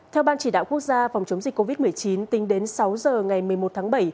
theo ban chỉ đạo quốc gia phòng chống dịch covid một mươi chín tính đến sáu giờ ngày một mươi một tháng bảy